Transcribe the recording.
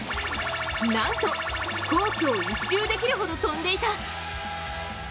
なんと皇居を１周できるほど飛んでいた。